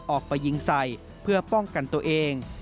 ออกไปยิงใส่เพื่อป้องกันตัวเอง